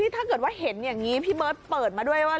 ถ้าเกิดว่าเห็นอย่างนี้พี่เบิร์ตเปิดมาด้วยว่า